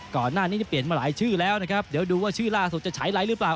ก่อนหน้านี้จะเปลี่ยนมาหลายชื่อแล้วนะครับเดี๋ยวดูว่าชื่อล่าสุดจะใช้ไลค์หรือเปล่า